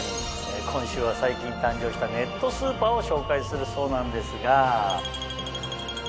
今週は最近誕生したネットスーパーを紹介するそうなんですが。